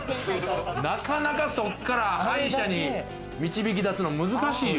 なかなかそっから歯医者に導き出すの難しいよ。